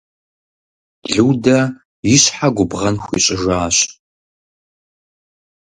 Людэ и щхьэ губгъэн хуищӀыжащ.